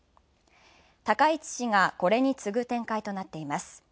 高市氏がこれに次ぐ展開となっています。